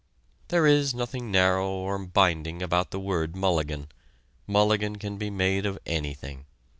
There is nothing narrow or binding about the word "mulligan"; mulligan can be made of anything.